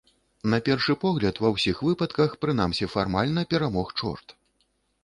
На першы погляд ва ўсіх выпадках, прынамсі фармальна, перамог чорт.